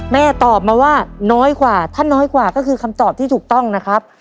ตอบมาว่าน้อยกว่าถ้าน้อยกว่าก็คือคำตอบที่ถูกต้องนะครับ